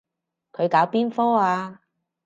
佢搞邊科啊？